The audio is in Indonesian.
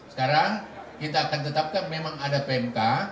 sekarang kita akan tetapkan memang ada pmk